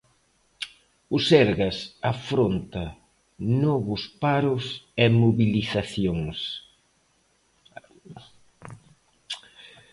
O Sergas afronta novos paros e mobilizacións.